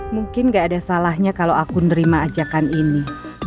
mungkin gak ada salahnya kalau aku nerima ajakan ini